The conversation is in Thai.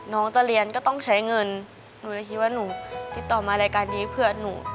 น้องจะเรียนก็ต้องใช้เงินหนูเลยคิดว่าหนูติดต่อมารายการนี้เพื่อนหนู